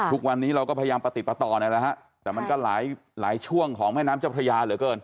ทุกวันนี้เราก็พยายามประติดประต่อนั่นแหละฮะแต่มันก็หลายหลายช่วงของแม่น้ำเจ้าพระยาเหลือเกิน